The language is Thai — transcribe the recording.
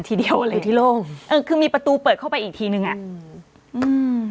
ทีเดียวอะไรที่โล่งเออคือมีประตูเปิดเข้าไปอีกทีนึงอ่ะอืม